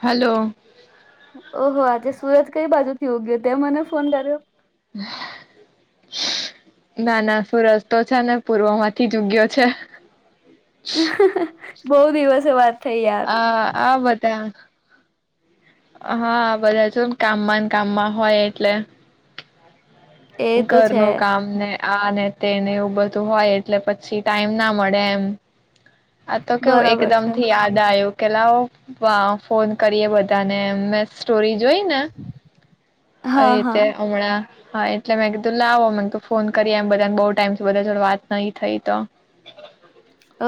Hello. ઓહો આજે સુરત કઈ બાજુ થી ઉગયો તે મને ફોન કર્યો? ના ના સૂરજ તો છે ને પૂર્વમાંથી જ ઉગયો છે. હ બહુ દિવસે વાત થઈ યાર હ આ બધા હા બધા જોન કામમાં ન કામમાં હોય એટલે એ તો છે ઘરનું કામને આ ને તેને એવું બધું હોય એટલે પછી ટાઈમ ના મળે એમ. આ તો કેવું બરાબર છે. એકદમથી યાદ આયુ કેે લાઓ વા ફોન કરીએ બધા તને મેં સ્ટોરી જોઈને હા આવી હા રીતે હમણાં હા એટલે મેં કીધું લાવો મને કીધું ફોન કરીએ એમ બધાને બઉ ટાઈમથી બધા જોડે વાત નહીં થઈ તો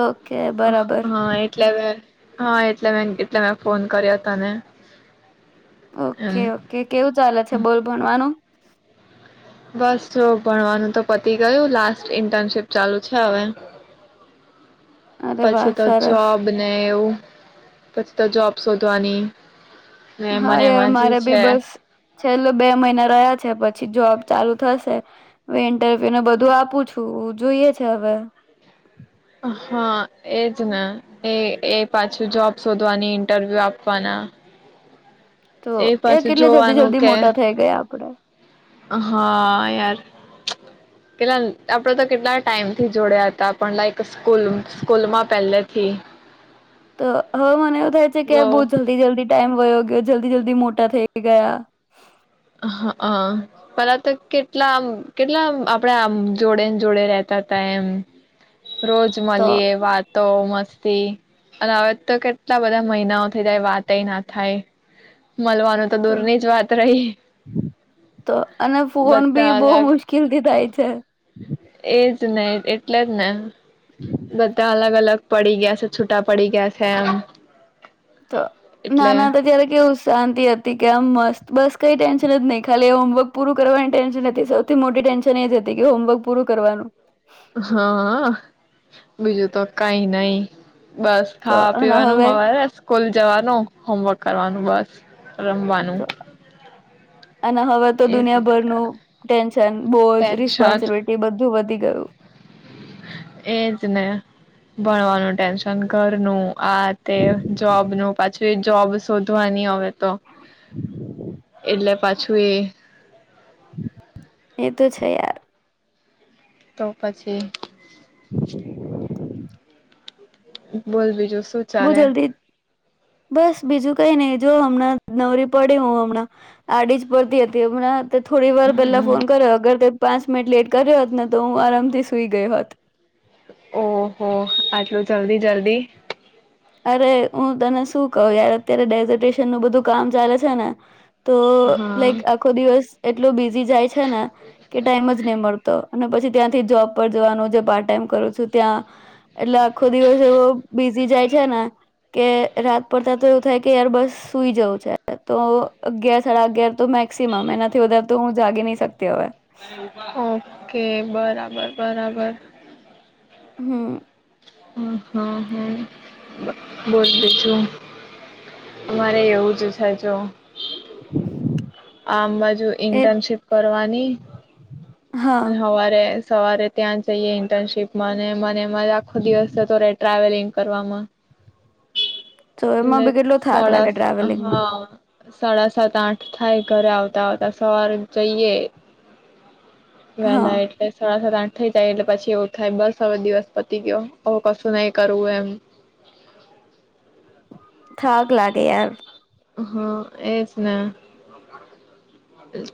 ઓકે બરાબર. હા એટલે મે હા એટલે મે એટલે મેં ફોન કર્યા તને. એમ ઓકે ઓકે કેવું ચાલે છે બોલ ભણવાનું? બસ જો ભણવાનું તો પતી ગયું લાસ્ટ ઇન્ટર્નશીપ ચાલુ છે હવે. અરે વાહ પછી તો સરસ જોબ ને એવું પછી તો જોબ શોધવાની. ને હા મને યાર એમાં જે મારે ભી છે બસ છેલ્લો બે મહિના રહ્યા છે પછી જોબ ચાલુ થશે વે ને બધું આપું છું જોઈએ છે હવે હા એજ ને એ એ પાછું જોબ શોધવાની ઇન્ટરવ્યુ આપવાના તો એ પાછું કેટલા જલ્દી જોવાનું જલ્દી કે મોટા થઈ ગયા આપડે હા યાર કેટલા આપડે તો કેટલા ટાઈમ થી જોડયા હતા પણ લાઈક સ્કૂલ સ્કૂલમાં પહેલેથી તો હવે મને એવું થાય છે કે વ બહુ જલ્દી જલ્દી ટાઈમ વયો જલ્દી જલ્દી મોટા થઈ ગયા હ હ પેલા તો કેટલા આમ કેટલા આપડે આમ જોડે ને જોડે રતા હતાા એમ રોજ તો મળી એ વાત તો મસ્તી અને હવે તો કેટલા બધા મહિનાઓ થઈ જાય વાત એ ના થાય મળવાનું તો દૂર ની જ વાત રહી તો અને ફોન બધા બી બહુ અલગ મુશ્કેલથી થાય છે. એજ ને એટલે જ ને બધા અલગ અલગ પડી ગયા છે છૂટા પડી ગયા છે એમ તો એટલે નાના તો જયારે કેવું શાંતિ હતી કે આમ મસ્ત બસ કઈ ટેન્શન જ નહી ખાલી હોમવર્ક પૂરું કરવાની ટેન્શન હતી સૌથી મોટી ટેન્શન એ જ હતી કે હોમવર્ક પૂરું કરવાનું. હા બીજું તો કઈ નઈ બસ તો ખાવા અને પીવાનું હવે હવારે સ્કૂલ જવાનું હોમવર્ક કરવાનું બસ રમવાનું અને હવે તો એજ ને દુનિયાભરનું ટેન્શન બોજ ટેન્શન રિસ્પોન્સિબિલિટી બધું વધી ગયુ એજ ને ભણવાનું ટેન્શન ઘરનું આ તે જોબ નુ પાછી જોબ શોધવાની અવે તો એટલે પાછું એ એ તો છે યાર તો પછી બોલ બીજું શું બહુ ચાલે જલ્દી બસ બીજું કઈ નહીિ જો હમણાં નવરી પડી હું હમણાં આડી જ પડતી હતી હમણાં. તે થોડી વાર પહેલા હમ ફોન કર્યો અગર પાંચ મિનટ લેટ કર્યો હોત ન તો હું આરામથી સુઈ ગઈ હોત. ઓહો આટલું જલ્દી જલ્દી અરે હું તને શું કહું યાર અત્યારે ડેઝર્ટેશન નું બધું કામ ચાલે છે ને. તો લાઈક હા આખો દિવસ એટલો બીઝી જાય છે ને કે ટાઈમ જ નહી મળતો. અને પછી ત્યાંથી જોબ પર જવાનું જે પાર્ટ ટાઈમ કરું છું ત્યાં એટલે આખો દિવસ એવો બી. [inaudible] છે ને કે રાત પડતા તો એવું થાય કે યાર બસ સુઈ જવું છે. તો અગિયાર સાડા અગિયાર તો મેક્સિમમ એનાથી વધારે તો હું જાગી નહી શકતો. ઓકે બરાબર. બરાબર હમ્મ. [inaudible] અમારે એવું જ થાય જો. [inaudible] આમ બાજુ એ ઇન્ટર્નશીપ કરવાની હા અને હવારે સવારે ત્યાં જઈએ ઇન્ટર્નશીપ માંને મને મારે આખો દિવસ તો રે ટ્રાવેલિંગ. કરવામાં તો એમાં એટલે બી કેટલો થાક લાગે સાડા ટ્રાવેલિંગમાં હા સાડા સાત આઠ થાય ઘરે આવતા આવતા સવારે જઈએ. હા વેલા એટલે સાડાસડા આઠ થઈ જાય એટલે પછી એવું થાય બસ હવે દિવસ પતી ગયો હ કશું નહી કરવું એમ. થાક લાગે યાર. હા એજ ને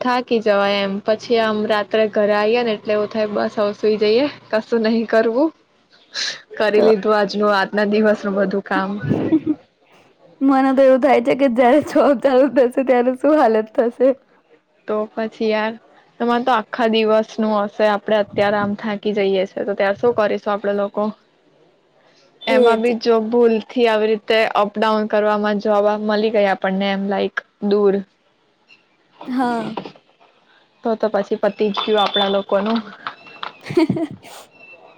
થાકી જવાય એમ પછી આમ રાત્રે ઘરે આએ ને એટલે એવું થાય બસ અવસઈ જઈએ કશું નહિ કરવું. કરી તો લીધું આજનું વાત ના દિવસ. ું બધું કામ મને તો એવું થાય કે જયારે છ ચાલુ થશે ત્યારે શું હાલત થશે. તો પછી યાર તમારે તો આખા દિવસ નું હશે આપડે અત્યારે આમ થાકી જઈએ છે તો તાર શું કરીશું આપડે લોકો એમાં એજ બી જો ભૂલ થી આવી રીતે અપડાઉન કરવાવામાં જોવા મળી ગયા આપણને એમ લાઈક દૂર હા. તો તો પછી પતિ જ ગયું આપણા લોકોનું. [inaudible]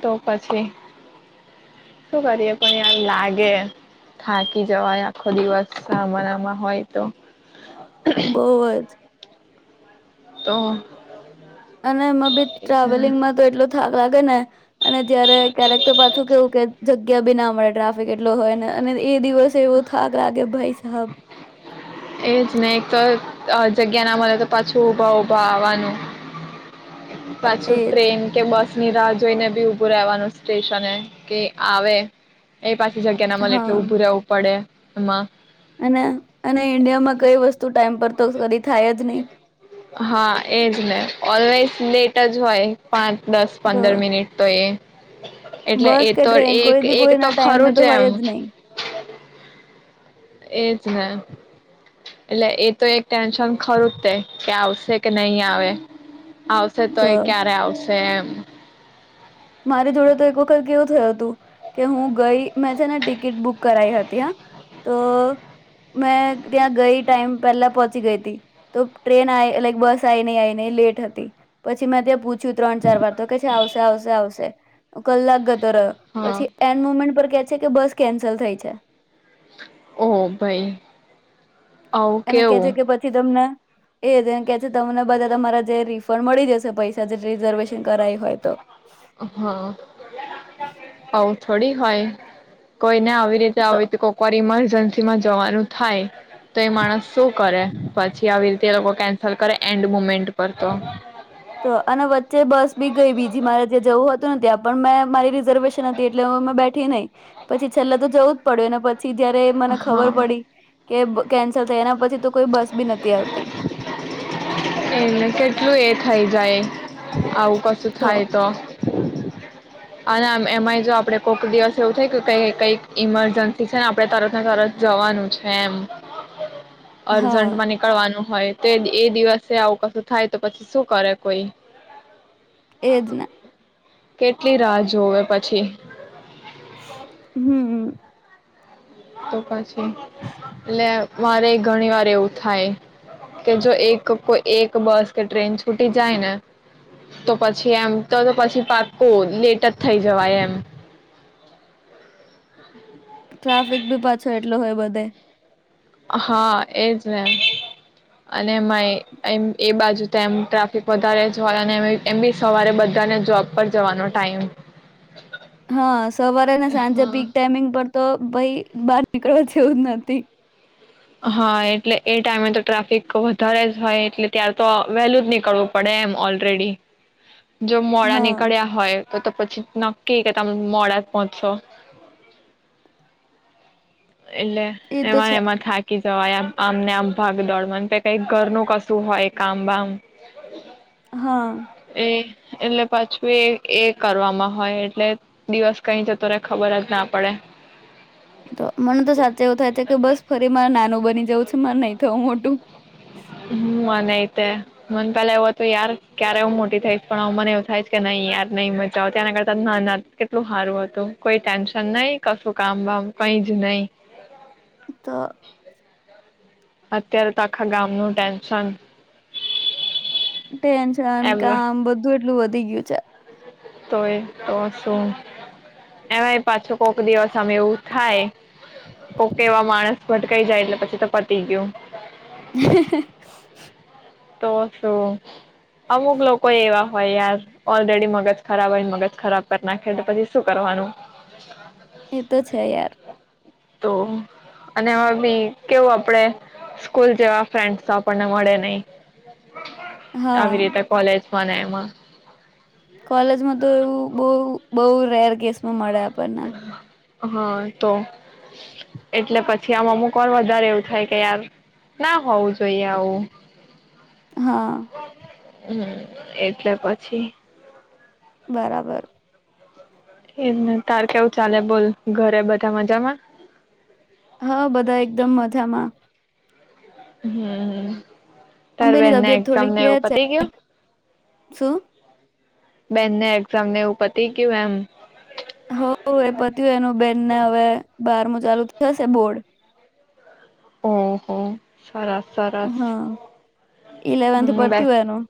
તો પછી શું કરીએ પણ એમ લાગે થાકી જવાય આખો દિવસ સામારામાં હોય તો. બહુ જ. તો. અને એમાં બી ટ્રાવેલિંગમાં તો એટલ થાક લાગે ને અને જયારે ક્યારેક તો પાછું કેવું કે કે બી ના મળે ટ્રાફિક એટલો હોય ને અને એ દિવસ એવો થાક લાગે ભાઈ સાબ. એજ નને એક તો જગ્યા ના મળે તો પાછું ઉઊભા ઉભા આવવાનું. પાછું એજ ટ્રેન કે બસ ની રાહ જોઈને બી ઉભું રહેવાનું સ્ટેશન કે આવે પાછી જગ્યા ના મલે એટલે હા ઉભું રહેવું પડે. હું માં અને અને ઇન્ડિયામાં કઈ વસ્તુ ટાઈમ પર તો કદી થાય જ નહી હા એજ ને ઓલવેઝ લેટ. લેટ જ હોય પાંચ -દસ તો પંદર મિનિટ તો એ એટલે બસ એ કે તો ટ્રેન એક એક કોઈ તો એના ટાાઈમ મે ખરું તો જ એમ હોયદ નહી. એજ ને એટલે એ તો એક ટેન્શન ખરું તે કે આવશે કે નહી આવે આવશે તો એ ક્યારે આવશે. તે એમ મારી જોડે તો એક વખત કેવું થયું હતું, કે હું ગઈ મેં છે ને ટિકિટ બુક કરાઈ હતી, હા તો મેં ત્યાં ગઈ ટાઈમ પહેલા પહોંચી ગઈ હતી, તો ટ્રેન આ લાઈક બસ આ નહી આવીઈ નને લેટ હતી પછી મેં ત્યાં પૂછ પૂછ્યું ત્રણ- ચાર વાર તો કે છે. આવશે, આવશે, આવશે. તો કલાક હા પછી એન્ડ મુમેન્ટ પર કહે કે બસ કેન્સલ થઈ છે. ઓ હો ભાઈ આવું એને કે છે કેવું કે પછી તમને એ જેને કે છે તમને બધા તમારા જે રિફંડ મળી જશે પૈસા જે રિઝર્વેશન કરાવાયી હોય તો. હા. આમ તો થોડી હોય કોઈને આવી રીતે હોય તો કોકરીમાં એજન્સી માં જવાનું થાય તો એ માણસ શું કરે? પછી આવી રી તે લોકો કેન્સલ કરે એન્ડ મુમેન્ટ પર તો તો અને વચ્ચે બસ બી ગઈ બીજી મારે ત્યાં જવું હતું ને ત્યાં પણ મેં મારી રઝર્વેશન હતી એટલે હ અમે બેઠી નહીં પછી છેલ્લા તો જવું જ પડ્યું. થી જયારે મને હા ખબર પડી કે બ કેન્સ થ એના પછી તો કોઈ બસ બી નથી આવતી એને કેટલું એ થઈ જઈ આવું કશું થાય તો અને એમાંય જો આપડે કોઈક દિવસ એવું થાયય ક કઈક ઈમરજન્સી છે ને આપણે તરત ને તરત જવાનું છે એમ હા અર્જન્ટમાં નીકળવાનું હોય તો એ દિવસે આવું કશું થાય તો પછી શું કરે કોઈ એજ ને. કેટ કેટલી રાહ જોએ પછી. હમ્મ હમ્મ. તો પછ [inaudible] લે મારે. ઘણી વાર એવું થાય કે જો એક કોઈ એક બસ કે ટ્રેન છૂટી જાય ને તો પછી એમ તો પછી પાક્કો લેટ જ થઈ જવાય એમ ટ્રાફિક ભી પાછો એટલો હોય બધે હા એજ ને અને એમાંય એ બાજુ તો એમ ટ્રાફિક વધારે જ હોય અને એમ બી સવારે બધાને જોબ પર જવાનો ટાઈમ હા સવારે સાંજે હા પીક ટાઈમિંગ પર તો ભાઈ બહાર નીકળવા જેવું જ નથી હા એટલે એ ટાઈમે તો ટ્રાફિક વધારે જ હોય એટલે ત્યાર તો વહેલું જ નીકળવું પડે એમ ઓલરેડી જો મોડા હા નીકળ્યા હોય તો તો પછી નક્કી કે તમે મોડા જ પહોંચો એટલે એ તો એમાં છે એમાં થાકી વાય આમને આમ ભાગ દોડમાં કઈક ઘરનું કશું હોય કામ બામ હા. એ એટલે પાછું એ એ કરવામાં હોય એટલે દિવસ કઈ જતો રે કઈ ખબર જ ના પડે. તો મને તો સાચે એવું થાય છે કે બસ ફરી મારે નાનું બની જવું છે. માર નહી થવું મોટું. મને તે મને પેલા એવું હતું યાર ક્યારે એવું મોટી થઈશ. પણ હવે મને એવું થાયશ કે નહી યાર નઈ મજાઓ ત્યાંના કરતા ના ના કેટલું સારું હતું કોઈ ટેન્શન નઈ કશું કામ વામ કઈ જ નહી. તો. અત્યારે તો આખા ગામનું ટેન્શન. ટેન્શન, એમ કામ બધું જ કેટલું વધી ગયું છે. તોય તો શું એમાંય પાછો કોક દિવસ અમે એવું થાય પોકે એવા માણસ ભટકાઈ જાય એટલે પછીતો પતિ ગયું. તો શું અમુક લોકો એવા હોય યાર ઓલરેડી મગજ ખરાબ હોય મગજ ખરાબ કરી નાખે તો પછી શું કરવાનું. એ તો છે યાર. તો અને બી કેવું આપડે સ્કૂલ જેવા ફ્રેન્ડ તો આપણને મળે નહિ. હા. આવી રીતે કોલેજ ને એમાં. કોલેજમાં તો એવું બવ. બઉ રેર કેસ માં મળ્યા. [inaudible] હા તો એટલે પછી આમાં અમુક વાર વધારે એવું થાય કે યાર ના હોવું જોઈએ આવું હા. હમ એટલે પછી બરાબર એમને તાર કેવું ચાલે બોલ ઘરે બધા મજામાં હા બધા એકદમ મજામાં હમ હ મમ્મી ની તબિયત થોડીક છે ગયું શું બેનને એક્ઝામ ને એવું પતિ ગયું એમ હ એ પતિયુ એનું બેનને અવે બારમુ ચાલુ થશે બોર્ડ હમ હમ હા ઇલેવન્થ હમ બેસ પતયુ એનું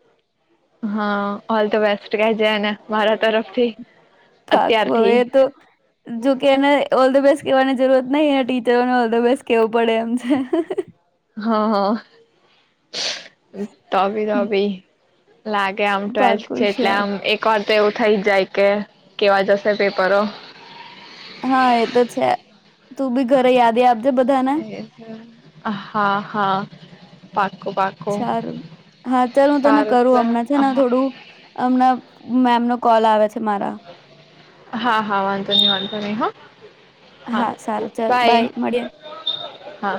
હા ઓલ ધ બેસ્ટ કે જે એને મારા તરફથી પાકકુ એ અત્યારથી તો જોકે એને ઓલ તો બેસ કેવાની જરૂરત નહી એ ટીચરોને ઓલ ધ બેસ્ટ કેવું પડે એમ છે. હા હ તભી તભી લાગે આમ ટ્વેલ્થ પાકું છે એટલે શ્યોર આમ એકજ તો એવું થઇ જ જાય કે કેવા જશે પેપરો હા એ તો છે તું બી ઘરે યાદી આપજે બધાને હા હા પા સારું હા ચાલ હું તને સારું કરું સર હમણાં છે ને થોડું હમણાં મેમ નો કોલ આવે છે. તમારા હા હા વાંધો નહી વાંધો નહી હ હા સારું ચાલ બાય મળીએ હા